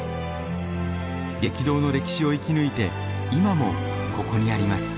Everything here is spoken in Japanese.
激動の歴史を生き抜いて今もここにあります。